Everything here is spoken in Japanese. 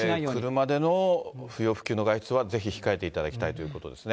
車での不要不急の外出はぜひ控えていただきたいということですね。